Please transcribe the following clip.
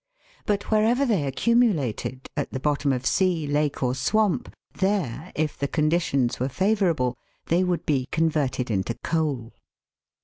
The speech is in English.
But wherever they accumulated at the bottom of sea, lake, or swamp there, if the conditions were favourable, they would be converted into coal.